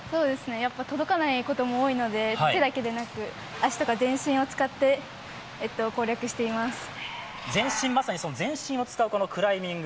届かないことも多いので手だけではなく、足とか全身を使って、まさに全身を使うクライミング。